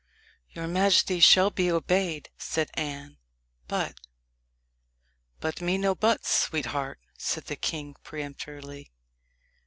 "Your majesty shall be obeyed," said Anne; "but " "But me no buts, sweetheart," said the king peremptorily.